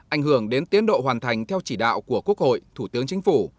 ảnh hưởng đến tiến độ hoàn thành theo chỉ đạo của quốc hội thủ tướng chính phủ